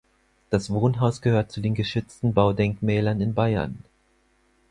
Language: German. Das Wohnhaus gehört zu den geschützten Baudenkmälern in Bayern.